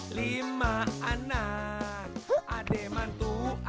ade mantu ade cukup